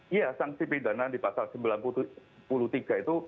iya sanksi pidana di pasal sembilan puluh tiga itu